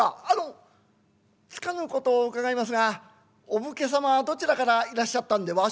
「あのつかぬことを伺いますがお武家様はどちらからいらっしゃったんで」。